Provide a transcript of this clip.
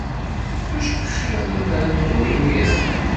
Maci xir lemmer ad neddu imir-a?